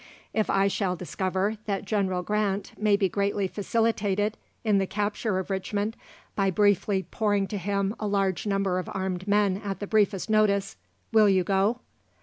If I shall discover that General Grant may be greatly facilitated in the capture of Richmond by briefly pouring to him a large number of armed men at the briefest notice, will you go?